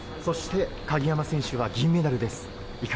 そして鍵山選手は銀メダルです。